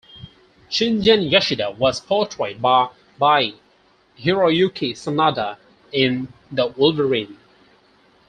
Shingen Yashida was portrayed by Hiroyuki Sanada in "The Wolverine".